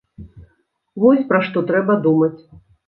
Вось, пра што трэба думаць.